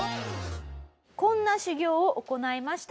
こんな修業を行いました。